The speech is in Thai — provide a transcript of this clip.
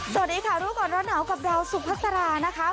สวัสดีค่ะรู้ก่อนร้อนหนาวกับดาวสุพัสรานะคะ